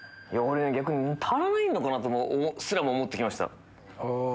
逆に足らないのかなとすらも思って来ました。